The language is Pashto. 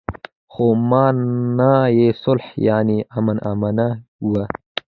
خو مانا يې صلح يانې امن آمنه وه.